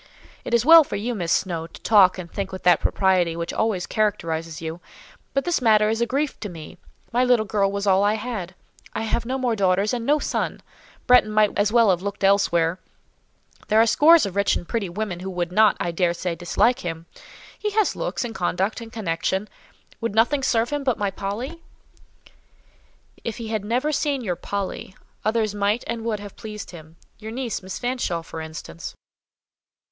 "It is well for you, Miss Snowe, to talk and think with that propriety which always characterizes you; but this matter is a grief to me; my little girl was all I had: I have no more daughters and no son; Bretton might as well have looked elsewhere; there are scores of rich and pretty women who would not, I daresay, dislike him: he has looks, and conduct, and connection. Would nothing serve him but my Polly?" "If he had never seen your 'Polly,' others might and would have pleased him—your niece, Miss Fanshawe, for instance."